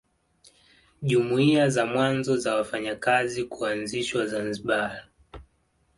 Jumuiya za mwanzo za wafanyakazi kuanzishwa Zanzibar